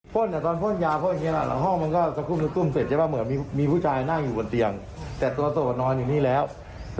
ก็แป๊บเดี๋ยวแล้วก็พอดีเสร็จว่าพี่นั้นมาก็เลยเอาเครื่องออกเลย